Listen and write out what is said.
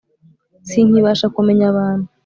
sinkibasha kumenya abantu.